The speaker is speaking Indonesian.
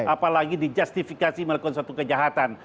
apalagi di justifikasi melakukan suatu kejahatan